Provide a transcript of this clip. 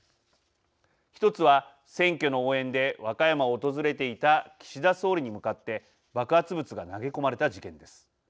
１つは選挙の応援で和歌山を訪れていた岸田総理に向かって爆発物が投げ込まれた事件です。